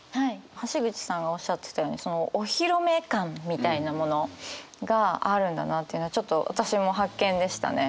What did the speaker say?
橋口さんがおっしゃってたようにお披露目感みたいなものがあるんだなというのはちょっと私も発見でしたね。